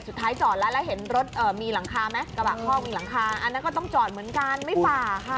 สุดท้ายจอดแล้วเห็นรถกระแบบท่อมีก็จอดก็จอดเหมือนกันไม่ฝ่าค่ะ